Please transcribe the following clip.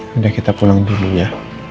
sudah kita pulang dulu ya